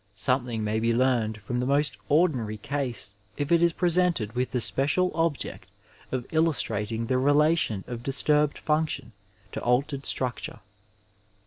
Something may be learned from the most ordinary case if it is presented with the special object of illustrating the relation of disturbed function to altered structure.